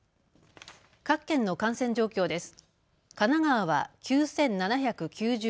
各県の感染状況です。